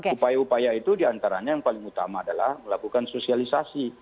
upaya upaya itu diantaranya yang paling utama adalah melakukan sosialisasi